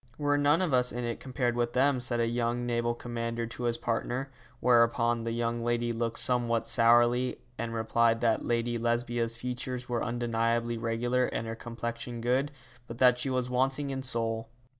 'We're none of us in it compared with them,' said a young naval commander to his partner, whereupon the young lady looked somewhat sourly, and replied that Lady Lesbia's features were undeniably regular and her complexion good, but that she was wanting in soul.